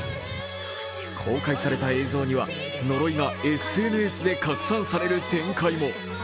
公開された映像には呪いがＳＮＳで拡散される展開も。